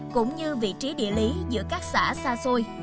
cũng như vị trí địa lý giữa các xã xa xôi